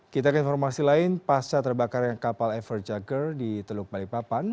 kita ke informasi lain pasca terbakarnya kapal everjager di teluk balikpapan